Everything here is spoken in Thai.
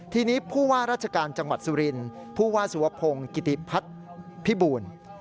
ทีนี้ผู้ว่าราชการจังหวัดสุรินทร์ผู้ว่าสุวพงศ์กิติพัฒน์พิบูล